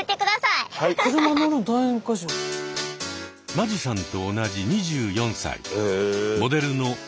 間地さんと同じ２４歳。